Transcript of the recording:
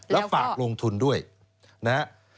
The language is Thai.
แล้วฝากลงทุนด้วยนะฮะ